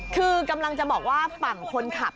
คือกำลังจะบอกว่าฝั่งคนขับ